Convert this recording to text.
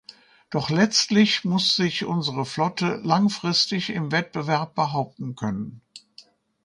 Doch letztlich muss sich unsere Flotte langfristig im Wettbewerb behaupten können.